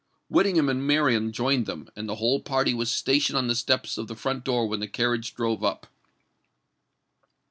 Whittingham and Marian joined them; and the whole party was stationed on the steps of the front door when the carriage drove up.